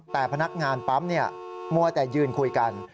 แต่พนักงานปั๊มมัวแต่ยืนคุยกัน